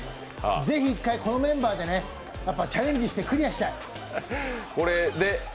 是非１回、このメンバーでチャレンジしてクリアしたい。